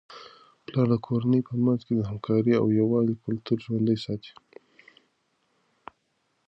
پلار د کورنی په منځ کي د همکارۍ او یووالي کلتور ژوندۍ ساتي.